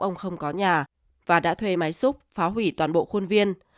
ông không có nhà và đã thuê máy xúc phá hủy toàn bộ khuôn viên